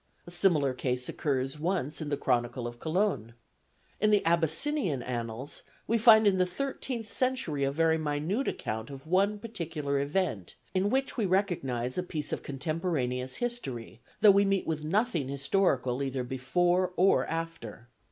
A similar case occurs once in the chronicle of Cologne. In the Abyssinian annals, we find in the thirteenth century a very minute account of one particular event, in which we recognize a piece of contemporaneous history, though we meet with nothing historical either before or after.